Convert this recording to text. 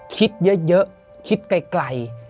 คิดเยอะคิดไกล